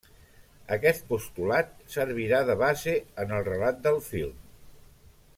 Aquest postulat servirà de base en el relat del film.